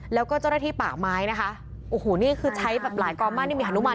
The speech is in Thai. แล้วก็เจ้าหน้าที่ป่าไม้นะคะโอ้โหนี่คือใช้แบบหลายกองบ้านนี่มีฮานุมาน